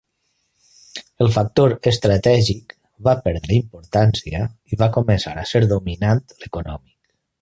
El factor estratègic va perdre importància i va començar a ser dominant l'econòmic.